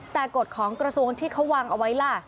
แต่กฎของกระทรวงที่เขาวางเอาไว้ล่ะ